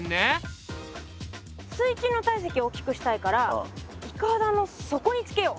水中の体積をおっきくしたいからいかだのそこにつけよう。